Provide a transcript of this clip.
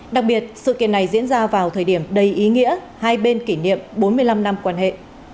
đặc biệt sự kiện này diễn ra vào thời điểm đầy ý nghĩa hai bên kỷ niệm bốn mươi năm năm quan hệ